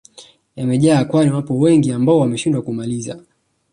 yamejaa kwani wapo wengi ambao wameshindwa kumaliza